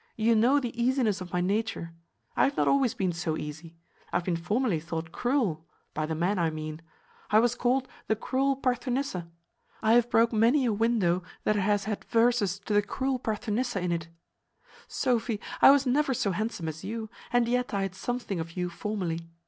You know the easiness of my nature; I have not always been so easy. I have been formerly thought cruel; by the men, I mean. I was called the cruel Parthenissa. I have broke many a window that has had verses to the cruel Parthenissa in it. Sophy, I was never so handsome as you, and yet I had something of you formerly.